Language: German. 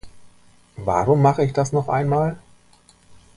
Warum mache ich das noch einmal?